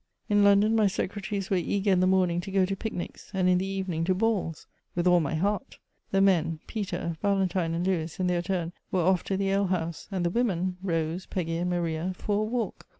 In London my secretaries were eager in the morning to go to pic nics, and in the evening to balls. With all my heart! The men, Peter, Valen tine, and Lewis, in their turn were off to the ale house ;— and the women. Rose, Peggy, and Maria, for a walk.